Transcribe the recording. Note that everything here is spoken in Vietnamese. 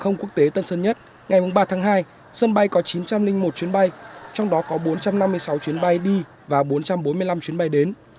ngày ba tháng hai sân bay có chín trăm linh một chuyến bay trong đó có bốn trăm năm mươi sáu chuyến bay đi và bốn trăm bốn mươi năm chuyến bay đến